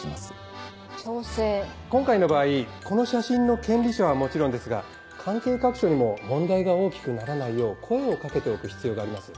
今回の場合この写真の権利者はもちろんですが関係各所にも問題が大きくならないよう声をかけておく必要があります。